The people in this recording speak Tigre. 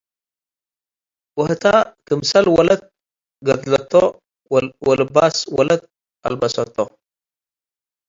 ወህተ ክምሰል ወለት ገድለቶ' ወልባ'ስ ወለት አልበሰቶ'።